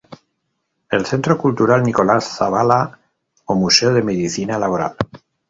El Centro Cultural Nicolás Zavala ó Museo de Medicina Laboral.